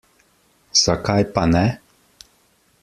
Zakaj pa ne?